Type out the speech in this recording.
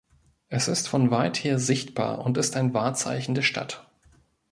Es ist von weither sichtbar und ist ein Wahrzeichen der Stadt.